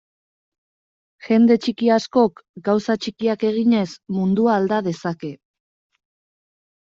Jende txiki askok, gauza txikiak eginez, mundua alda dezake.